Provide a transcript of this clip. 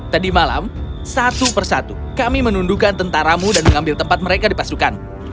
tadi malam satu persatu kami menundukan tentaramu dan mengambil tempat mereka di pasukan